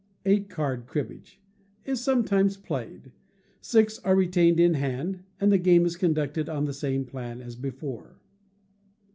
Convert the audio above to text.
Eight Card Cribbage is sometimes played. Six are retained in hand, and the game is conducted on the same plan as before.